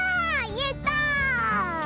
やった！